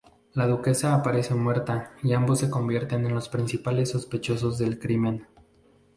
La duquesa aparece muerta y ambos se convierten en los principales sospechosos del crimen.